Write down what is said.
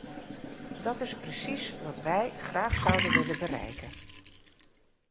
Dat is precies wat wij graag zouden willen bereiken.